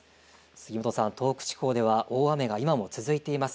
杉本さん、東北地方では大雨が今も続いています。